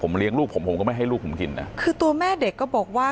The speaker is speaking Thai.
เลี้ยงลูกผมผมก็ไม่ให้ลูกผมกินนะคือตัวแม่เด็กก็บอกว่า